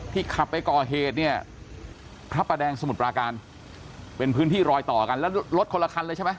ขับไปก่อเหตุเนี่ยพระประแดงสมุทรปราการเป็นพื้นที่รอยต่อกันแล้วรถคนละคันเลยใช่ไหม